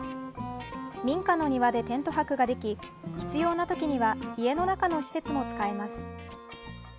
民家の庭でテント泊ができ必要な時には家の中の施設も使えます。